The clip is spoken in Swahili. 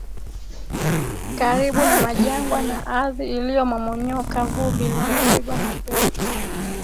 karibu na majangwa na ardhi iliyomomonyoka vumbi linalopigwa na upepo